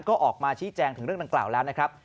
ก็ออกมาชี้แจงถึงเรื่องดังกล่าวแล้วนะครับ